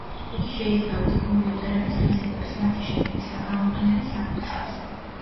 იგი შეისწავლის კომპიუტერების თვისებებს, მათი შექმნის და გამოყენების საკითხებს.